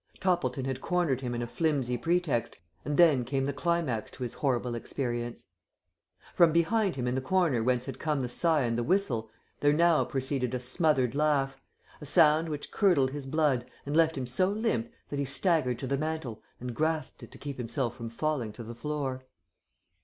Toppleton had cornered him in a flimsy pretext, and then came the climax to his horrible experience. From behind him in the corner whence had come the sigh and the whistle, there now proceeded a smothered laugh a sound which curdled his blood and left him so limp that he staggered to the mantel and grasped it to keep himself from falling to the floor.